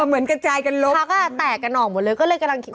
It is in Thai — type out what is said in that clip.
เหมือนกระจายกันลบพักอ่ะแตกกันออกหมดเลยก็เลยกำลังคิด